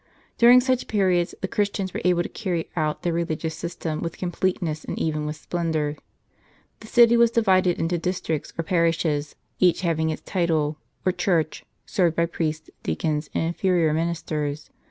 During such periods, the Christians were able to cany out their religious system with completeness, and even with splendor. The city was divided into districts or parishes, each having its title, or church, served by priests, deacons, and inferior ministers.